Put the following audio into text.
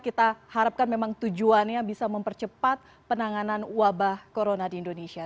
kita harapkan memang tujuannya bisa mempercepat penanganan wabah corona di indonesia